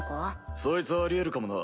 そいつはあり得るかもな。